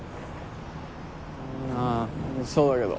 あそうだけど。